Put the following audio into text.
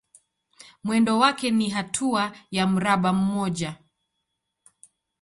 Mwendo wake ni hatua ya mraba mmoja.